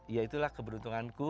ya itulah keberuntunganku